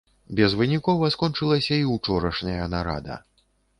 Безвынікова скончылася і ўчорашняя нарада.